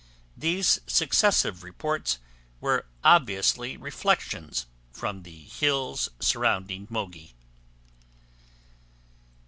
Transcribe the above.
These successive reports were obviously reflections from the hills surrounding Mogi.